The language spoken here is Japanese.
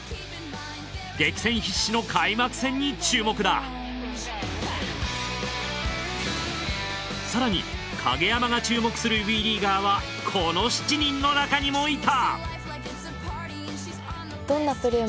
激戦必至の開幕戦に注目だ更に影山が注目するＷＥリーガーはこの７人の中にもいた！